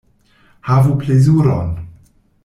Havu plezuron!